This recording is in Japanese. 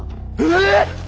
えっ！？